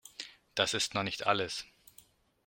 Doch das ist noch nicht alles.